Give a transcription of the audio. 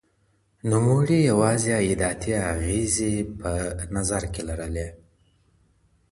نوموړي یوازي عایداتي اغېزې په نظر کي لرلې.